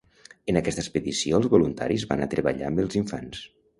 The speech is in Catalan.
En aquesta expedició, els voluntaris van a treballar amb els infants.